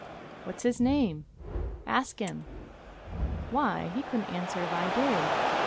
"What's his name?" "Ask Him." "Why? He couldn't answer if I did."